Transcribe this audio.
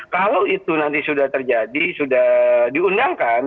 kalau itu nanti sudah terjadi sudah diundangkan